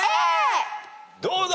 どうだ？